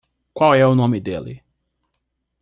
Qual é o nome dele?